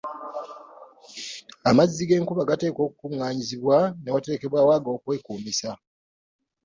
Amazzi g’enkuba gateekwa okukunganyizibwa, ne waterekebwawo ag’okwekuumisa.